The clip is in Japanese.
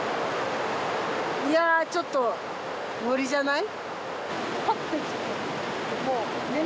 いやちょっと無理じゃない？